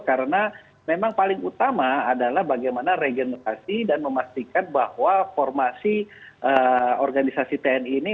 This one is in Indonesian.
karena memang paling utama adalah bagaimana regenerasi dan memastikan bahwa formasi organisasi tni ini